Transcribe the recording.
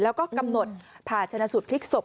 แล้วก็กำหนดผ่าชนะสูตรพลิกศพ